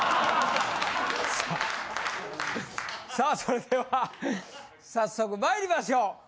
さあそれでは早速まいりましょう！